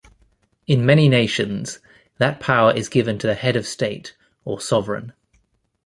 In many nations, that power is given to the head of state or sovereign.